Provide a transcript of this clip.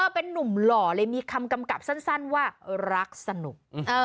เป็นนุ่มหล่อเลยมีคำกำกับสั้นว่ารักสนุก